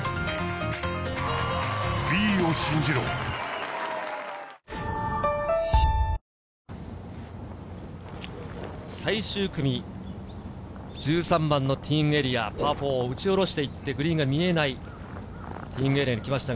ＪＴ最終組、１３番のティーイングエリア、パー４、打ち下ろしていてグリーンが見えないエリアに来ました。